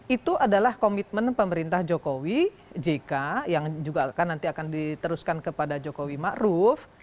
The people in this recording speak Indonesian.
itu adalah komitmen pemerintah jokowi jk yang juga akan nanti akan diteruskan kepada jokowi ⁇ maruf ⁇